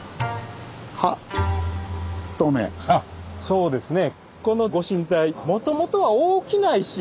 あっそうですね。